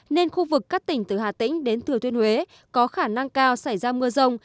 nên khu vực các tỉnh từ hà tĩnh đến thừa thiên huế có khả năng cao xảy ra mưa rông